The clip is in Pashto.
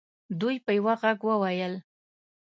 دوی په یوه ږغ وویل.